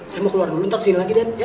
saya mau keluar dulu ntar kesini lagi dan